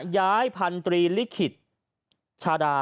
ย้ายพันธรีฤทธิ์ชาดา